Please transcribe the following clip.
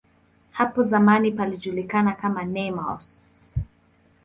Hapo zamani palijulikana kama "Nemours".